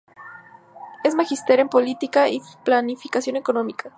Es magíster en política y planificación económica.